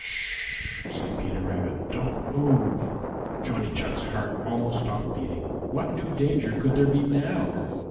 "Sh h h," said Peter Rabbit, "don't move." Johnny Chuck's heart almost stopped beating. What new danger could there be now?